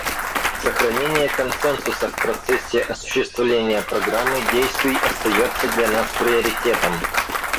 Сохранение консенсуса в процессе осуществления Программы действий остается для нас приоритетом.